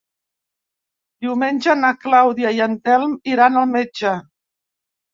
Diumenge na Clàudia i en Telm iran al metge.